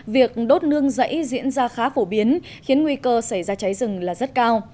việc đốt nương rẫy diễn ra khá phổ biến khiến nguy cơ xảy ra cháy rừng là rất cao